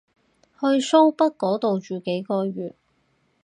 去蘇北嗰度住幾個月